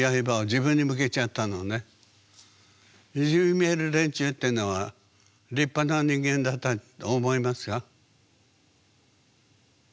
いじめる連中ってのは立派な人間だったと思いますか？